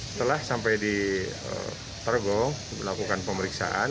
setelah sampai di tergong dilakukan pemeriksaan